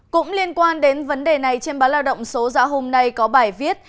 cũng liên quan đến vấn đề này trên báo lao động số dạo hôm nay có bài viết